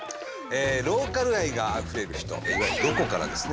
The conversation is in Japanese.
ローカル愛があふれる人いわゆる「ロコ」からですね